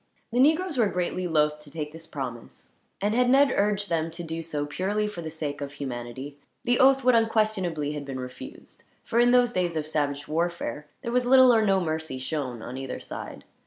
The negroes were greatly loath to take this promise, and had Ned urged them to do so purely for the sake of humanity, the oath would unquestionably have been refused; for in those days of savage warfare, there was little or no mercy shown on either side.